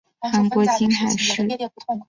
韩国金海市有一座首露王陵。